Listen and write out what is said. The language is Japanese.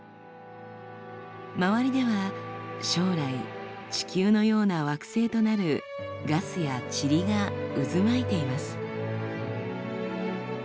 周りでは将来地球のような惑星となるガスや塵が渦巻いています。